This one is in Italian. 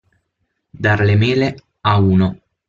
Dar le mele a uno.